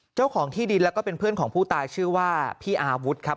เจ้าของที่ดินแล้วก็เป็นเพื่อนของผู้ตายชื่อว่าพี่อาวุธครับ